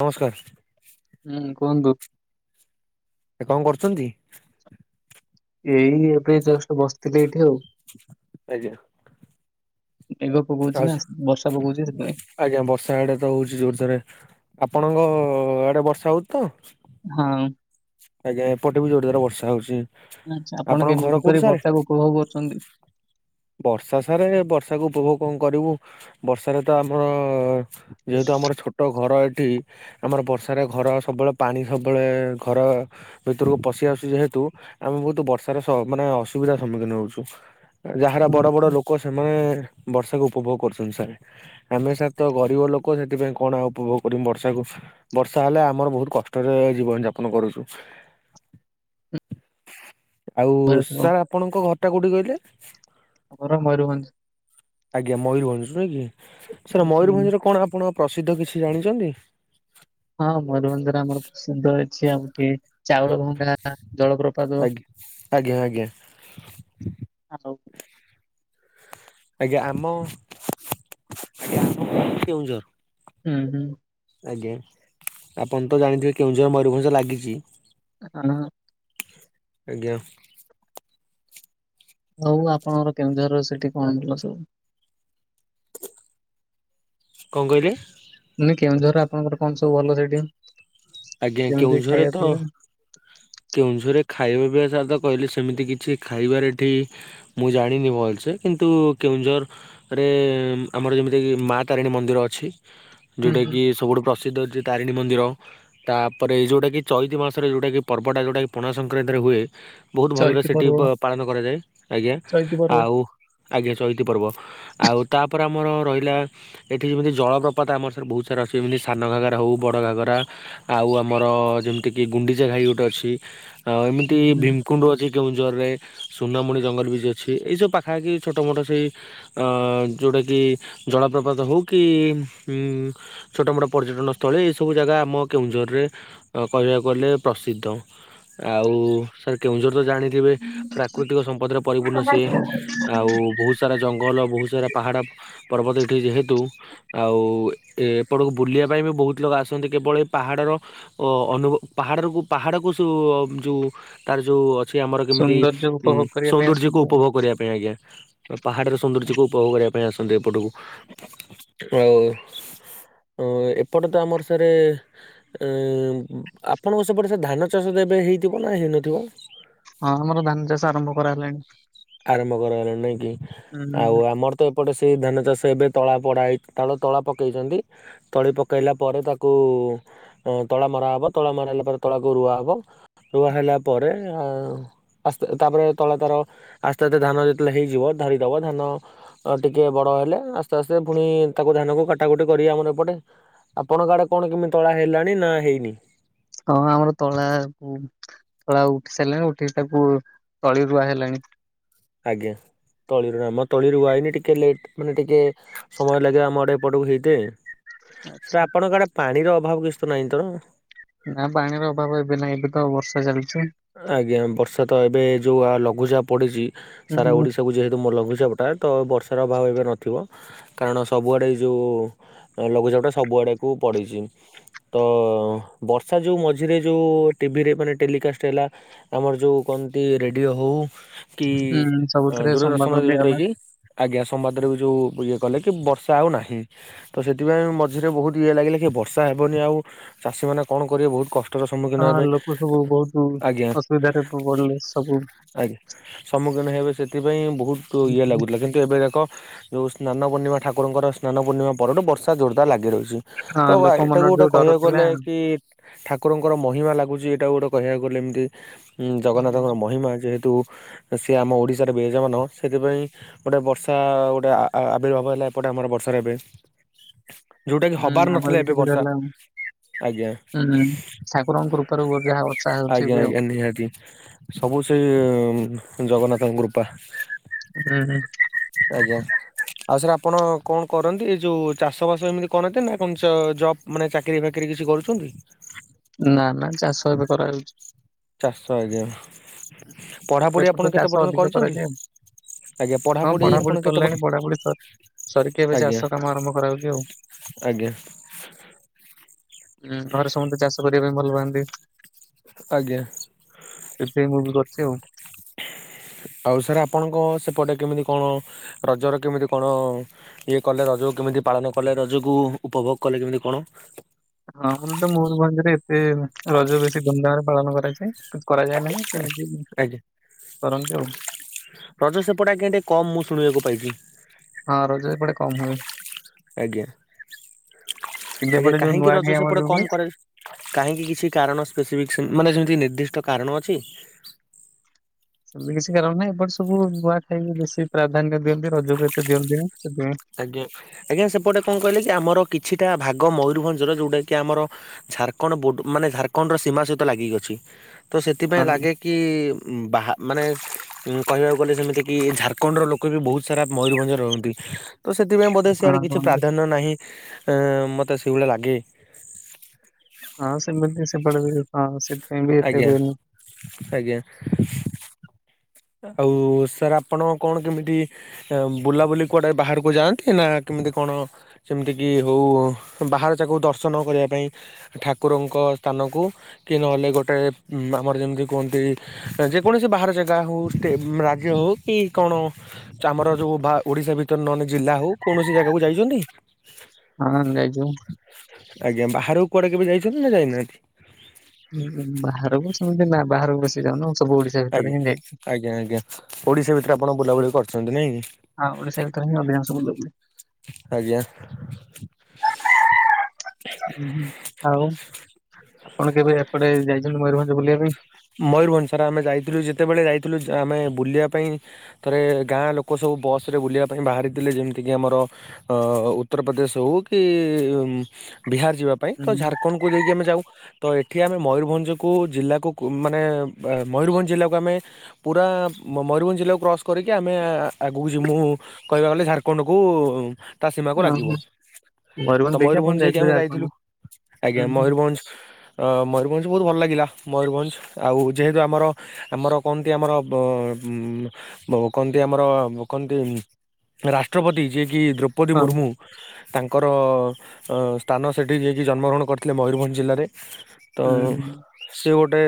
ନମସ୍କାର। ହୁଁ କୁହନ୍ତୁ। ଏ କଣ କରୁଛନ୍ତି? ଏଇ ଏବେ ଜଷ୍ଟ ବସିଥିଲି ଏଇଠି ଆଉ। ଆଜ୍ଞା। ଏଗ ଆଉ ପକଉଛି ନା ବର୍ଷା ପକଉଛି ସେଥିପାଇଁ ଆଜ୍ଞା ବର୍ଷା ଆଡେ ତ ହଉଛି ଜୋରଶରେ ଆପଣଙ୍କ ଆଡେ ବର୍ଷା ହଉଛି ତ? ହଁ। ଆଜ୍ଞା ଏପଟେ ବି ଯୋରେ ଯୋରେ ବର୍ଷା ହଉଛି। ଆଚ୍ଛା ଆପଣ ଆପଣଙ୍କ କେମିତି ଘର କୋଉଠି କିପରି ସାର୍? ବର୍ଷାକୁ ଉପଭୋଗ କରୁଛନ୍ତି? ବର୍ଷା ସାରେ ବର୍ଷାକୁ ଉପଭୋଗ କଣ କରିବୁ ବର୍ଷାରେ ତ ଆମ ଯେହେତୁ ଆମର ଛୋଟ ଘର ଏଠି। ଆମର ବର୍ଷାରେ ଘର ସବୁବେଳେ ପାଣି ସବୁବେଳେ ଘର ଭିତରକୁ ପଶି ଆସୁଛି ଯେହେତୁ ଆମେ ବହୁତ ବର୍ଷାରେ ସ ମାନେ ଅସୁବିଧାର ସମ୍ମୁଖୀନ ହଉଛୁ। ଯାହାର ବଡ ବଡ ଲୋକ ସେମାନେ ବର୍ଷାକୁ ଉପଭୋଗ କରୁଛନ୍ତି ସ ଆମେ ସାରେ ତ ଗରିବ ଲୋକ ସେଥିପାଇଁ କଣ ଉପଭୋଗ କରିମୁ ବର୍ଷାକୁ। ବର୍ଷା ହେଲେ ଆମର ବହୁତ କଷ୍ଟରେ ଜୀବନ ଯାପନ କରୁଛୁ। ଆଉ ଘର ମୟୂରଭଞ୍ଜ ସାର୍ ଆପଣଙ୍କ ଘର ଟା କୋଉଠି କହିଲେ? ଆମର ମୟୂରଭଞ୍ଜ। ଆଜ୍ଞା ମୟୂରଭଞ୍ଜ ନୁହେଁ କି ସାର୍ ହୁଁ। ମୟରଭଞ୍ଜରେ କଣ ଆପଣ ପ୍ରସିଦ୍ଧ କିଛି ଜାଣିଛନ୍ତି? ହଁ ମୟୂରଭଞ୍ଜ ରେ ଆମର ପ୍ରସିଦ୍ଧ ଅଛି ଆଉ ଗୋଟେ ଚାଉଳ ଭଙ୍ଗା ଜଳପ୍ରପାତ ଆଜ୍ଞା ଆଜ୍ଞା ଆଜ୍ଞା ଆଉ ଆଜ୍ଞା ଆମ [unintelligible] ଆମର କେଉଁଝର। ହୁଁ ହୁଁ। ଆଜ୍ଞା ଆପଣ ତ ଜାଣିଥିବେ କେଉଁଝର ମୟୂରଭଞ୍ଜ ଲାଗିଛି। ହଁ। ଆଜ୍ଞା। ହଉ ଆପଣଙ୍କର କେଉଁଝର ସେଠି କଣ ପ୍ରସିଦ୍ଧ। କଣ କହିଲେ। ମୁଁ ନି କେନୁଝର ଆପଣଙ୍କର କଣ ସବୁ ଭଲ ସେଠି ଆଜ୍ଞା ଯେମିତି ଖାଇବା ପିଇବା। କେଉଁଝରେ ଖାଇବା ପିଇବା ସାର୍ ତ କହିଲି ସେମିତି କିଛି ଖାଇବାର ଏଠି ମୁଁ ଜାଣିନି ଭଲସେ କିନ୍ତୁ କେଉଁଝର ରେ ଆମର ଯେମିତିକି ମା ତାରିଣୀ ମନ୍ଦିର ଅଛି। ହୁଁ ଯଉଟା ହୁଁ କିି ସବୁଠୁ ପ୍ରସିଦ୍ଧ ଅଉଛି ତାରିଣୀ ମନ୍ଦିର ତାପରେ ଯୋଉଟା କିି ଚଇତି ମାସରେ ଯଉଟା କିି ପର୍ବଟା ଯେଉଁଟାକି ପଣା ସଂକ୍ରାନ୍ତିରେ ହୁଏ। ବହୁତ ଭଲରେ ଚୈତି ସେଇଠି ପର୍ବ ପାଳନ କରାଯାଏ ଆଜ୍ଞା ଚୈତି ପର୍ବ ଆଉ ଆଜ୍ଞା ଚଇତି ପର୍ବ। ଆଉ ତାପରେ ଆମର ରହିଲା ଏଠି ଯେମିତି ଜଳପ୍ରପାତ ଆମର ସରେ ବହୁତ ସାରା ଅଛି ଏମିତି ସାନ ଘାଗରା ହଉ ବଡ ଘାଗରା। ଆଉ ଆମର ଯେମିତି କିି ଗୁଣ୍ଡିଚା ଘାଇ ଗୋଟେ ଅଛି ଆଉ ହୁଁ ଏମିତି ହୁଁ ଭିମ କୁଣ୍ଡୁ ଅଛି କେଉଁଝରରେ ସୁନାମୁଣି ଜଙ୍ଗଲ ବିଚ ଅଛି ଏଇସବୁ ପାଖାପାଖି ଛୋଟ ମୋଟ ସେଇ ଅ ଯୋଉଟା କି ଜଳପ୍ରପାତ ହଉ କି ଉଁ ଛୋଟ ମୋଟ ପର୍ଯ୍ୟଟନ ସ୍ଥଳୀ ଏଇ ସବୁ ଜାଗା ଆମ କେଉଁଝରରେ ଅ କହିବାକୁ ଗଲେ ପ୍ର ସିଦ୍ଧ ତ ଆଉ ସାର୍ କେଉଁଝର ତ ଜାଣିଥିବେ। ପ୍ରାକୃତିକ ସମ୍ପଦରେ ପରିପୂର୍ଣ୍ଣ ସିଏ ଆଉ ବହୁତ ସାରା ଜଙ୍ଗଲ ବହୁତ ସାରା ପାହାଡ। ପର୍ବତ ଏଟିି ଯେହେତୁ ଆଉ ଏ ଏପଟକୁ ବୁଲିବା ପାଇଁ ବି ବହୁତ ଲୋକ ଆସନ୍ତି କେବଳ ଏ ପାହାଡ଼ର ଅ ଅନୁଭ ପାହାଡରୁ ପାହାଡକୁ ସୋ ଯୋଉ ତାର ଯୋଉ ଅ ସେ ଆମର କେମିତି ସୌନ୍ଦର୍ଯ୍ୟ ଉ ଉପଭୋଗ କରିବା ପାଇଁ ସୌନ୍ଦର୍ଯ୍ୟକୁ ଆସନ୍ତୁ ଆଉ। ଉପଭୋଗ କରିବା ପାଇଁ ଆଜ୍ଞା। ପାହାଡର ସୌନ୍ଦର୍ଯ୍ୟକୁ ଉପଭୋଗ କରିବା ପାଇଁ ଆସନ୍ତି ଏପଟକୁ ଆଉ। ଅ ଏପଟେ ତ ଆମର ସାରେ ଉ ଆପଣଙ୍କ ସେପଟେ ସାର୍ ଧାନ ଚାଷ ତ ଏବେ ହେଇଥିବ ନା ହେଇନଥିବ। ହଁ ଆମର ଧାନ ଚାଷ ଆରମ୍ଭ କରାହେଲାଣି ଆରମ୍ଭ କରାହେଲା ନାଇଁ କି ଆଉ ଉଁ ଆମର ତ ଏପଟେ ସେଇ ଧାନ ଚାଷ ଏବେ ତଳା ପଡା ହେଇ ତା ତଳା ପକେଇଛନ୍ତି। ତଳି ପକେଇଲା ପରେ ତାକୁ ତଳା ମରାହବ ତଳା ମରାହେଲା ପରେ ତଳାକୁ ରୁଆ ହବ। ରୁଆ ହେଲା ପରେ ଆଉ ଆସ୍ତେ ତାପରେ ତଳା ତାର ଆସ୍ତେ ଆସ୍ତେ ଧାନ ଯେତେବେଳେ ହେଇଯିବ ଧରିଦବ ଧାନ। ଅ ଟିକେ ବଡ ହେଲେ ଆସ୍ତେ ଆସ୍ତେ ପୁଣି ତାକୁ ଧାନକୁ କାଟାକୁଟି କରିବେ ଆମର ଏପଟେ। ଆପଣଙ୍କ ଆଡେ କଣ କେମିତି ତଳା ହେଲାଣି ନା ହେଇନି? ହଁ ଆମର ତଳା ଉ ତଳା ଉଠି ସାରିଲାଣି ଉଠିକି ତାକୁ ତଳି ରୁଆ ହେଲାଣି। ଆଜ୍ଞା ତଳିରୁ ଆମ ତଳି ରୁଆହେଇନି ଟିକେ ଲେଟ୍ ମାନେ ଟିକେ ସମୟ ଲାଗେ ଆମ ଆଡେ ଏପଟକୁ ହେଇତେ ସାର୍ ଆପଣଙ୍କ ଆଡେ ପାଣିର ଅଭାବ କିଛି ତ ନାହିଁ ତ? ନା ପାଣିର ଅଭାବ ଏବେ ନାହିଁ ଏବେ ତ ବର୍ଷା ଚାଲିଛି। ଆଜ୍ଞା ବର୍ଷା ତ ଏବେ ଯେଉଁ ଆ ଲଘୁଚାପ ପଡ଼ିଛି ସାରା ହୁଁ ଓଡ଼ିଶାକୁ ଯେହେତୁ ମ ଲଘୁଚାପଟା ତ ବର୍ଷାର ଅଭାବ ଏବେ ନଥିବ। କାରଣ ସବୁଆଡେ ଏଇ ଯୋଉ ଲଘୁଚାପ ଟା ସବୁଆଡେ କୁ ପଡିଛି। ତ ବର୍ଷା ଯୋଉ ମଝିରେ ଯୋଉ ଟିଭିରେ ମାନେ ଟେଲିକାଷ୍ଟ୍ ହେଲା ଆମର ଯେଉ କହନ୍ତି ରେଡ଼ିଓ ହେଉ କି ହୁଁ ସବୁଥିରେ ସମ୍ବାଦ ଦୂରଦର୍ଶନ ଯେମିତି ଦିଆଗଲା ରହିଛି। ଆଜ୍ଞା ସମ୍ବାଦରେ ବି ଯୋଉ ଇଏ କଲେ କି ବର୍ଷା ଆଉ ନାହିଁ। ତ ସେଥିପାଇଁ ମଝିରେ ବହୁତ ଇଏ ଲାଗିଲା କି ବର୍ଷା ହେବନି ଆଉ ଚାଷୀମାନେ କଣ କରିବେ ବହୁତ କଷ୍ଟ ର ସମ୍ମୁଖୀନ ହେବେ। ହୁଁ ଆଜ୍ଞା ଅସୁବିଧାରେ ପ ପଡିଲେ ସବୁ। ଆଜ୍ଞା ସମ୍ମୁଖୀନ ହେବେ ସେଥିପାଇଁ ବହୁତ ଇଏ ଲାଗୁଥିଲା। କିନ୍ତୁ ନ୍ତୁ ଏବେ ଦେଖ ଯେଉଁ ସ୍ନାନ ପୂର୍ଣ୍ଣିମା ଠାକୁରଙ୍କର ସ୍ନାନ ପୂର୍ଣ୍ଣିମା ପରଠୁ ବର୍ଷା ଜୋରଦାର ଲାଗି ରହିଛି। ହଁ ତ ଲୋକ ଏଟାକୁ ମନରେ ଗୋଟେ ଯୋଉ ଡର କହିବାକୁ ଥିଲା ଗଲେ କି ଠାକୁରଙ୍କର ମହିମା ଲାଗୁଛି ଏଇଟାକୁ ଗୋଟେ କହିବାକୁ ଗଲେ ଏମିତି। ଉଁ ହଁ ଜଗନ୍ନାଥଙ୍କର ମହିମା ଯେହେତୁ ସିଏ ଆମ ଓଡ଼ିଶାରେ ବିରାଜମାନ ସେଥିପାଇଁ ଗୋଟେ ବର୍ଷା ଗୋଟେ ଆ ଆବିର୍ଭାବ ହେଲେ ଏପଟେ ଆମର ବର୍ଷାରେ ଏବେ। ଯୋଉଟା କି ହୁଁ ହବାର ଆମର ବି ନଥିଲା ଏବେ ସେପଟେ ବର୍ଷା ହେଲା ଆଉ। ଆଜ୍ଞା ହୁଁ। ଠାକୁରଙ୍କ କୃପାରୁ ଗ ଯାହା ଅଛି। ଆଜ୍ଞା ଆଜ୍ଞା ନିହାତି ସବୁ ସେ ଜଗନ୍ନାଥଙ୍କ କୃପା। ହୁଁ ହୁଁ। ଆଜ୍ଞା ଆଉ ସାର୍ ଆପଣ କଣ କରନ୍ତି ଏ ଯୋଉ ଚାଷ ବାସ ଏମିତି କରନ୍ତି ନା କଣ ଚ ଜବ୍ ମାନେ ଚାକିରି ଫାକିରି କିଛି କରୁଛନ୍ତି? ନା ନା ଚାଷ ଏବେ କରାଯାଉଛି। ଚାଷ ଆଜ୍ଞା। ଆମର ପଢାପଢି ଏପଟେ ଆପଣ କେତେ ଚାଷ ପର୍ଯ୍ୟନ୍ତ ଅଧିକ କରିଛନ୍ତି? କରାଯାଏ ଆଜ୍ଞା ହଁ ଆପଣ ପଢାପଢି କେତେ ପର୍ ସରିଲାଣି ପଢାପଢି ସ ସରିକି ଏବେ ଆଜ୍ଞା ଚାଷ କାମ ଆରମ୍ଭ କରାହୋଉଛି ଆଉ। ଆଜ୍ଞା। ଉଁ ଘରେ ସମସ୍ତେ ଚାଷ କରିବା ପାଇଁ ଭଲ ପାଆନ୍ତି। ଆଜ୍ଞା। ସେ ମୁଁ ବି କରିଛି ଆଉ। ଆଉ ସାର୍ ଆପଣଙ୍କ ସେପଟେ କେମିତି କଣ ରଜର କେମିତି କଣ ଇଏ କଲେ ରଜକୁ କେମିତି ପାଳନ କଲେ ରଜକୁ ଉପଭୋଗ କଲେ କେମିତି କଣ? ହଁ ଆମର ତ ମୟୂରଭଞ୍ଜରେ ଏତେ ରଜ ବେଶୀ ଧୁମଧାମ ରେ ପାଳନ କରାଯାଏ କରାଯାଏ ନାହିଁ। ସେମିତି ଆଜ୍ଞା କରନ୍ତି ଆଉ। ରଜ ସେପଟେ ଆଜ୍ଞା ଟିକେ କମ୍ ମୁଁ ଶୁଣିବାକୁ ପାଇଛି। ହଁ ରଜ ଏପଡେ କମ୍ ହୁଏ। ଆଜ୍ଞା କିନ୍ତୁ ଆଜ୍ଞା ଏପଟେ ଯୋଉ କାହିଁକି ନୂଆଖାଇ ରଜ ଆମର ସେପଟେ ଯୋଉ ହୁଏ କମ୍ କରେ। କାହିଁକି କିଛି କାରଣ ସ୍ପେସିଫିକ ମାନେ ସେମିତି ନିର୍ଦ୍ଦିଷ୍ଟ କାରଣ ଅଛି। ସେମିତି କିଛି କାରଣ ନାହିଁ। ଏପଟ ସବୁ ନୂଆ ଖାଇକି ବେଶୀ ପ୍ରାଧାନ୍ୟ ଦିଅନ୍ତି। ରଜକୁ ଏତେ ଦିଅନ୍ତି ନାହିଁ ସେଥିପାଇଁ ଆଜ୍ଞା ଆଜ୍ଞା ସେପଟେ କଣ କହିଲେ କି ଆମର କିଛିଟା ଭାଗ ମୟୁରୁଭଞ୍ଜର ଯୋଉଟା କି ଆମର ଝାରଖଣ୍ଡ ମାନେ ଝାରଖଣ୍ଡ ର ସୀମା ସହିତ ଲାଗିିକି ଅଛି ତ ସେଥିପାଇଁ ହଁ। ଲାଗେ କି ବା ମାନେ କହିବାକୁ ଗଲେ ସେମିତିକି ଝାଡ଼ଖଣ୍ଡର ଲୋକ ବି ବହୁତ ସାରା ମୟୂରୁଭଞ୍ଜ ରହନ୍ତି। ତ ସେଥିପାଇଁ ବୋଧେ ହଁ ସେଆଡେ କିଛି କୁହନ୍ତୁ ପ୍ରାଧାନ୍ୟ ନାହିଁ। ଅ ମତେ ସେଇଭଳିଆ ଲାଗେ। ହଁ ସେମିତି ସେପଟେ [unintelligible] ହଁ ସେ ଆଜ୍ଞା ଆଜ୍ଞା। ଆଉ ସାର୍ ଆପଣ କଣ କେମିତି ବୁଲାବୁଲି କୁଆଡେ ବାହାରକୁ ଯାଆନ୍ତି ନା କେମିତି କଣ ଯେମିତିକି ହଉ ବାହାର ଯାକୁ ଦର୍ଶନ କରିବା ପାଇଁ ଠାକୁରଙ୍କ ସ୍ଥାନକୁ କି ନହେଲେ ଗୋଟେ ଆମର ଯେମିତି କୁହନ୍ତି ଯେକୌଣସି ବାହାର ଜାଗା ହଉ। ଟେ ରାଜ୍ୟ ହଉ କି କଣ ଆମର ଯୋଉ ଓଡିଶା ଭିତରେ ନେ ଜିଲ୍ଲା ହଉ କୌଣସି ଜାଗାକୁ ଯାଇଛନ୍ତି? ହଁ ଯାଇଚୁ। ଆଜ୍ଞା ବାହାରକୁ କୁଆଡେ କେବେ ଯାଇଛନ୍ତି ନା ଯାଇନାହାନ୍ତି। ବାହାରକୁ ସେମିତି ନା ବାହାରକୁ ବେସିି ଯାଉନୁ ସବୁ ଓଡିଶା ଆଜ୍ଞା ଭିତରେ ହିଁ ଯାଇଛିି। ଆଜ୍ଞା ଆଜ୍ଞା। ଓଡିଶା ଭିତରେ ଆପଣ ବୁଲାବୁଲି କରୁଛନ୍ତି ନାଇଁ କି। ହଁ ଓଡ଼ିଶା ଭିତରେ ହିଁ ଅଧିକାଂଶ ବୁଲାବୁଲି। ଆଜ୍ଞା। [inaudible] ହୁଁ ହୁଁ ଆଉ ଆପଣ କେବେ ଏପଟେ ଯାଇଛନ୍ତି ମୟୂରଭଞ୍ଜ ବୁଲିବା ପାଇଁ? ମୟୂରଭଞ୍ଜ ସାର୍ ଆମେ ଯାଇଥିଲୁ ଯେତେବେଳେ ଯାଇଥିଲୁ ଆମେ ବୁଲିବା ପାଇଁ। ଥରେ ଗାଁ ଲୋକ ସବୁ ବସ୍ ରେ ବୁଲିବା ପାଇଁ ବାହାରିଥିଲେ ଯେମିତିକି ଆମର ଅ ଉତ୍ତରପ୍ରଦେଶ ହୋଉ କି ବିହାର ଯିବା। ପାଇଁ ତ ହୁଁ ଝାଡ଼ଖଣ୍ଡକୁ ଦେଇକି ଆମେ ଯାଉ ତ ଏଠି ଆମେ ମୟୂରଭଞ୍ଜକୁ ଜିଲ୍ଲାକୁ କୁ ମାନେ ବା ମୟୂରଭଞ୍ଜ ଜିଲ୍ଲାକୁ ଆମେ ପୁରା ମ-ମୟୂରଭଞ୍ଜ ଜିଲ୍ଲାକୁ କ୍ରସ୍ କରିକି ଆମେ ଆଗକୁ ଜିମୁ କହିବାକୁ ଗଲେ ଝାରଖଣ୍ଡ କୁ ତା ସୀମାକୁ ଲାଗିବ। ଓହୋ ତ ଦେଇକି ଆପଣ ମୟୂରଭଞ୍ଜ ଯାଇକି ଯାଇଥିଲେ ଆମେ ଯାଇଥିଲୁ ଝାରଖଣ୍ଡ। ଆଜ୍ଞା ହୁଁ ହୁଁ ମୟୂରଭଞ୍ଜ। ଅ ମୟୂରଭଞ୍ଜ ବହୁତ ଭଲ ଲାଗିଲା ମୟୂରଭଞ୍ଜ। ଆଉ ଯେହେତୁ ଆମର ଆମର କୁହନ୍ତି ଆମର ବ ବ କହନ୍ତି ଆମର କହନ୍ତି ରାଷ୍ଟ୍ରପତି ଯିଏ କି ଦ୍ରୌପଦୀ ହଁ ମୁର୍ମୁ। ତାଙ୍କର ଅ ସ୍ଥାନ ସେଠି ଯିଏ କି ଜନ୍ମଗ୍ରହଣ କରିଥିଲେ ମୟୂରଭଞ୍ଜ ଜିଲ୍ଲାରେ। ତ ହୁଁ ହୁଁ ସେ ଗୋଟେ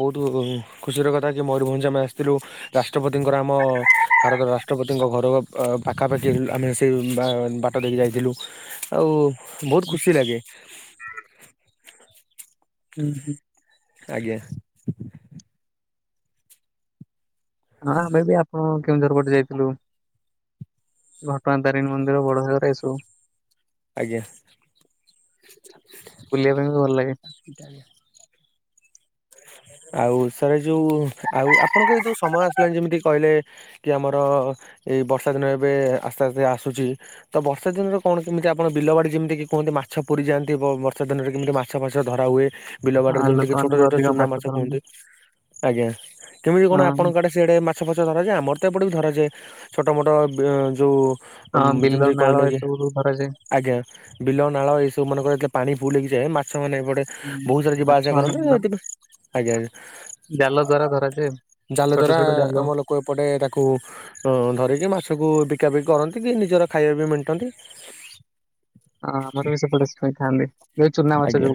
ବହୁତ ଖୁସିର କଥା କି ମୟୂରଭଞ୍ଜ ଆମେ ଆସିଥିଲୁ ରାଷ୍ଟ୍ରପତିଙ୍କର ଆମ ଭାରତର ରାଷ୍ଟ୍ରପତିଙ୍କ ଘର ପ ପାଖାପାଖି ଆମେ ସେ ବା ବାଟ ଦେଇକି ଯାଇଥିଲୁ। ଆଉ ବହୁତ ଖୁସି ଲାଗେ। ଉଁ ହୁଁ। ଆଜ୍ଞା। ହଁ ଆମେ ବି ଆପଣ କେଉଁଝର ପଟେ ଯାଇଥିଲୁ। ଘଟଗାଁ ତାରିଣୀ ମନ୍ଦିର, ବଡଘାଗରା ଏସବୁ। ଆଜ୍ଞା। ବୁଲିବା ପାଇଁ ବି ଭଲ ଲାଗେ। ଆଉ ସାରେ ଯୋଉ ଆଉ ଆପଣଙ୍କ ଏଇ ଯୋଉ ସମୟ ଆସିଲାଣି ଯେମିତି କହିଲେ କି ଆମର ଏଇ ବର୍ଷା ଦିନ ଏବେ ଆସ୍ତେ ଆସ୍ତେ ଆସୁଛି ତ ବର୍ଷା ଦିନରେ କଣ କେମିତି ଆପଣ ବିଲ ବାଡି ଯେମତି କି କୁହନ୍ତି କି ମାଛ ପୁରି ଯାଆନ୍ତି ବ ବର୍ଷା ଦିନରେ କେମିତି ମା ଛ ଫାଛ ଧରା ହୁଏ ବିଲବାଡିରେ ଆଉ ଯେମିତିି କି ଛୋଟ ଲୋକମାନେ ବି ଛୋଟ ଅଧିକ ଚୁନା ମାଛ ଧରନ୍ତି କୁହନ୍ତୁ ଆଜ୍ଞା କେମିତି କଣ ହଁ। ଆପଣଙ୍କ ଆଡ଼େ ସିଆଡ଼େ ମାଛ ଫାଛ ଧରାଯାଏ ଆମର ତ ଏପଟେ ବି ଧରାଯାଏ ଛୋଟମୋଟ ବ ଯୋଉ ଉଁ ହଁ ବିଲ ଯେମତି ନାଳ କହିଲେ କି ଏସବୁରୁ ଧରାଯାଏ ଆଜ୍ଞା ବିଲ ନାଳ ଏଇ ସବୁ ମାନଙ୍କରେ କିଏ ପାଣି ଫୁଲ ହେଇଯାଏ ମାଛ ମାନେ ଏପଟେ ହୁଁ। ବୋହୁତ ସାରା ଯିବା ମାଛ ଆସିବା ମାନ କରନ୍ତି ଆଉ ଏତେ ବି ଆଜ୍ଞା ଜାଲ ଦ୍ଵାରା ଧରାଯାଏ ଜାଲ ଛୋଟ ଦ୍ଵାରା ଛୋଟ ଜାଲ। ହଁ ଆମ ଲୋକ ଏପଟେ ତାକୁ ଅ ଧରିକି ମାଛକୁ ବିକା ବିକି କରନ୍ତି କି ନିଜର ଖାଇବା ବି ମେଣ୍ଟାନ୍ତି। ଆ ଆମର ବି ସେପଟେ ଶୁଣିଥାଆନ୍ତି। ଆଜ୍ଞା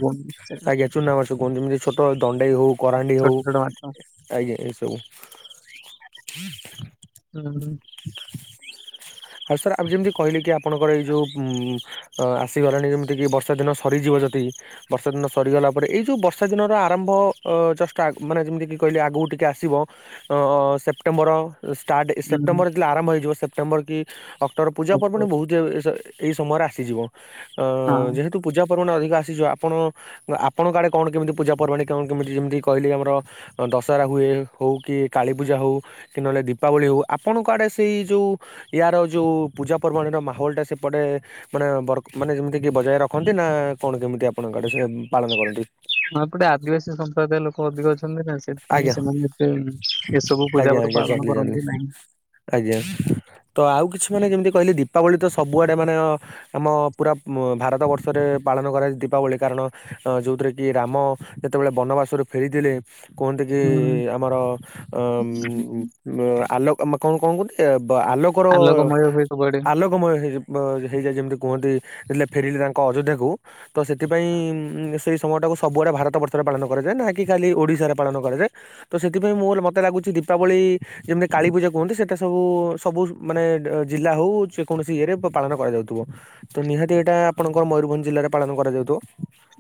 ଆଜ୍ଞା ଚୁନାମାଛ କୁହନ୍ତି ଯେମିତି ଛୋଟ ଦଣ୍ଡେଇ ହୋଉ କରାଣ୍ଡି ଛୋଟ ହୋଉ। ଛୋଟ ମାଛ। ଆଜ୍ଞା ଏ ସବୁ। ହୁଁ। ଆଉ ସାର୍ ଆମ ଯେମିତି କହିଲି କି ଆପଣଙ୍କର ଏଇ ଯୋଉ ଉଁ ଅ ଆସିଗଲାଣି ଯେମିତି କି ବର୍ଷା ଦିନ ସ ସରିଯିବ ଯଦି ବର୍ଷା ଦିନ ସରିଗଲା ପରେ ଏଇ ଯୋଉ ବର୍ଷା ଦିନର ଆରମ୍ଭ ଅ ଜଷ୍ଟ ଆ ମାନେ ଯେମିତିକି କହିଲେ ଆଗକୁ ଟିକେ ଆସିବ ଅ ସେପ୍ଟେମ୍ବର ଷ୍ଟାର୍ଟ ହୁଁ ସେପ୍ଟେମ୍ବର ଯେତେବେଳେ ଆରମ୍ଭ ହେଇଯିବ ସେପ୍ଟେମ୍ବର କି ଅକ୍ଟୋବର ପୂଜା ଅପ ପର୍ବାଣୀ ହଁ। ବୋହୁତ ଆଉ ଏ ସ ଏଇ ସମୟରେ ଆସିଯିବ ଅ ହଁ ଯେହେତୁ ପୂଜାପର୍ବାଣୀ ଅଧିକ ଆସିଯିବ ଆପଣ ଆପଣଙ୍କ ଆଡ଼େ କଣ କେମିତି ପୂଜାପର୍ବାଣି କଣ କେମିତି ଯେମତି କିହିଲି ଆମର ଅ ଦଶହରା ହୁଏ ହୋଉ କି କାଳୀ ପୂଜା ହୋଉ କି ନହନେ ଦୀପାବଳି ହୋଉ ଆପଣଙ୍କ ଆଡେ ସେଇ ଯୋଉ ଇଆର ଯୋଉ ପୂଜାପର୍ବାଣୀର ମାହୋଲଟା ସେପଟେ ମାନେ ବରକ୍ ମାନେ ଯେମତିକି ବଜାୟ ରଖନ୍ତି ନା କଣ କେମିତି ଆପଣଙ୍କ ଆଡେ ସେ ପାଳନ କରନ୍ତି? ହ ଏପଟେ ଆଦିବାସୀ ସମ୍ପ୍ରଦାୟ ଲୋକ ଅଧିକ ଅଛନ୍ତି ନା ସେଥିପାଇଁ ଆଜ୍ଞା ସେମାନେ ତ ଏସବୁ ଆଜ୍ଞା ପୂଜାପର୍ବ ଆଜ୍ଞା ପାଳନ ଜାଣିଲି ଜାଣିଲି କରନ୍ତି ନାହିଁ। ଆଜ୍ଞା ତ ଆଉ କିଛି ମାନେ ଯେମିତି କହିଲେ ଦୀପାବଳି ତ ସବୁଆଡେ ମାନେ ଅ ଆମ ପୁରା ଭାରତ ବର୍ଷରେ ପାଳନ କରାଯାଏ ଦୀପାବଳି କାରଣ ଅ ଯୋଉଥିରେ କି ରାମ ଯେତେବେଳେ ବନବାସରୁ ଫେରିଥିଲେ କୁହନ୍ତି କି ହୁଁ ଆମର ଅମ୍ ଉମ୍ ଆଲୋକ ଆମେ କଣ କଣ କହନ୍ତି ଆଲୋକର ଆଲୋକ ଆଲୋକମୟ ହୁଏ ସବୁଆଡେ ଆଲୋକମୟ ହେଇ ମ ହେଇଯାଏ ଯେମତି କୁହନ୍ତି ଯେତେବେଳେ ଫେରିଲେ ତାଙ୍କ ଅଯୋଧ୍ୟାକୁ ତ ସେଥିପାଇଁ ଉଁ ସେଇ ସମୟଟାକୁ ସ ସବୁଆଡ଼େ ଭାରତ ବର୍ଷରେ ପାଳନ କରାଯାଏ ନା କି ଖାଲି ଓଡ଼ିଶାରେ ପାଳନ କରାଯାଏ ତ ସେଥିପାଇଁ ମୋର ମ ତେ ଲାଗୁଚି ଦୀପାବଳି ଯେମତି କାଳୀପୂଜା କୁହନ୍ତି ସେଇଟା ସବୁ ସବୁ ମାନେ ଜିଲ୍ଲା ହୋଉ ଚେ କୌଣସି ଇଏରେ ପ-ପାଳନ କରାଯାଉଥୁବ ତ ନିହାତି ଏଇଟା ଆପଣଙ୍କର ମୟୂରଭଞ୍ଜ ଜିଲ୍ଲାରେ ପାଳନ କରାଯାଉଥୁବ।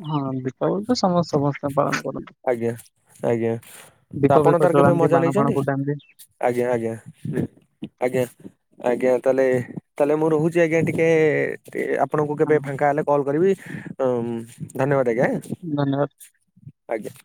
ହଁ ଦୀପାବଳି ତ ସମସ୍ ସମସ୍ତେ ପାଳନ କରନ୍ତି। ଆଜ୍ଞା ଆଜ୍ଞା ତ ଦୀପ ଆପଣ ଫିପ ତାର କେବେ ଜଳାନ୍ତି ମଜା ବାଣ ଫାଣ ନେଇଚନ୍ତି? ଫୁଟାନ୍ତି ଆଜ୍ଞା ଆଜ୍ଞା ଆଜ୍ଞା। ଆଜ୍ଞା ତାହେଲେ ତାହେଲେ ମୁଁ ରହୁଚି ଆଜ୍ଞା ଟିକେ ତେ ଆପଣଙ୍କୁ କେବେ ଆଉ ଫାଙ୍କା ହେଲେ କଲ୍ କରିବି ଉଁ ଧନ୍ୟବାଦ ଆଜ୍ଞା। ଧନ୍ୟବାଦ। ଆଜ୍ଞା।